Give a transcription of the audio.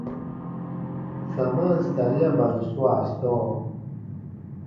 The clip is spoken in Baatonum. Samaan sariaban swaa sɔɔ.